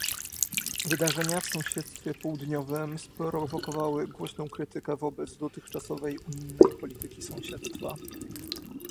Wydarzenia w sąsiedztwie południowym sprowokowały głośną krytykę wobec dotychczasowej unijnej polityki sąsiedztwa